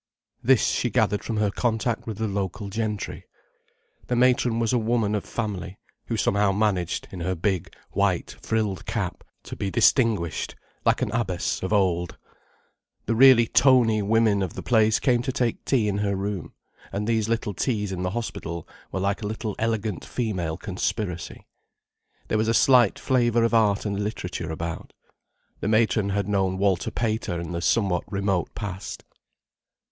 This she gathered from her contact with the local gentry. The matron was a woman of family, who somehow managed, in her big, white, frilled cap, to be distinguished like an abbess of old. The really toney women of the place came to take tea in her room, and these little teas in the hospital were like a little elegant female conspiracy. There was a slight flavour of art and literature about. The matron had known Walter Pater, in the somewhat remote past.